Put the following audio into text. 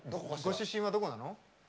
ご出身はどこなの？